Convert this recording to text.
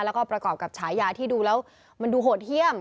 แล้วก็ประกอบกับฉายาที่ดูแล้วมันดูโหดเยี่ยม